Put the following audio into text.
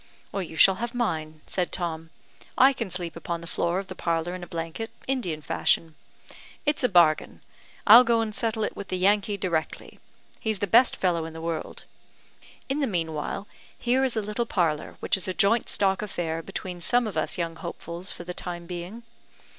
"You shall have mine," said Tom. "I can sleep upon the floor of the parlour in a blanket, Indian fashion. It's a bargain I'll go and settle it with the Yankee directly; he's the best fellow in the world! In the meanwhile here is a little parlour, which is a joint stock affair between some of us young hopefuls for the time being.